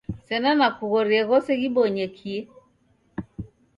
Sena nakughoria ghose ghibonyekie